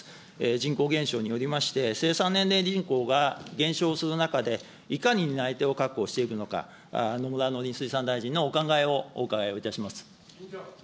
人口減少によりまして、生産年齢人口が減少する中で、いかに担い手を確保していくのか、野村農林水産大臣のお考えをお伺いをいたします。